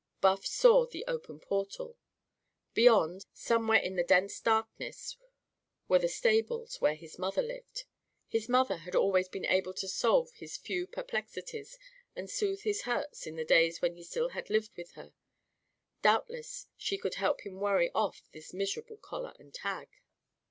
Buff saw the open portal. Beyond, somewhere in the dense darkness, were the stables where his mother lived. His mother had always been able to solve his few perplexities and soothe his hurts in the days when he still had lived with her. Doubtless she could help him worry off this miserable collar and tag.